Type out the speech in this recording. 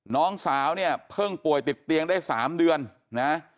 น้องสาวเนี่ยเพิ่งป่วยติดเตียงได้๓เดือนนะ